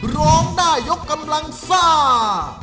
ร้องได้ยกกำลังซ่า